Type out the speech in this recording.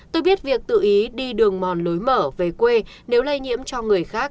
tôi biết việc tự ý đi đường mòn lối mở về quê nếu lây nhiễm cho người khác